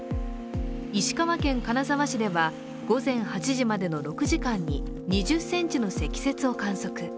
石川県金沢市では午前８時までの６時間に２０ｃｍの積雪を観測。